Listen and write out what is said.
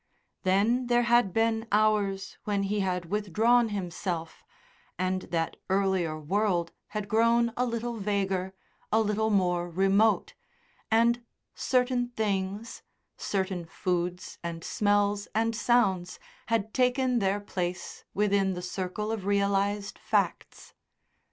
Then there had been hours when he had withdrawn himself, and that earlier world had grown a little vaguer, a little more remote, and certain things, certain foods and smells and sounds had taken their place within the circle of realised facts.